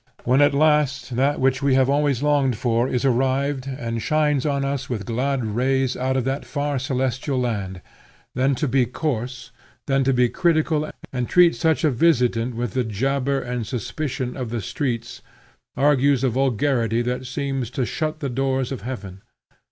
When at last that which we have always longed for is arrived and shines on us with glad rays out of that far celestial land, then to be coarse, then to be critical and treat such a visitant with the jabber and suspicion of the streets, argues a vulgarity that seems to shut the doors of heaven.